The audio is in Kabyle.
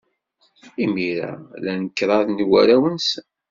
Imir-a, lan kraḍ n warraw-nsen.